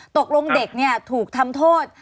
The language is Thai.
ตกลงเด็กถูกทำโทษ